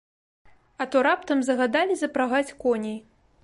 А то раптам загадалі запрагаць коней.